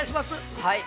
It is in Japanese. ◆はい。